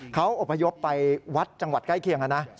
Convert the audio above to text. เขาอบพยพไปวัดจังหวัดใกล้เคียงกันนะ